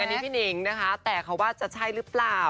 อันนี้พี่หนิงนะคะแต่เขาว่าจะใช่หรือเปล่า